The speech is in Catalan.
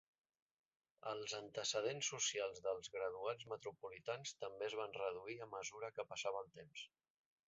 Els antecedents socials dels graduats metropolitans també es van reduir a mesura que passava el temps.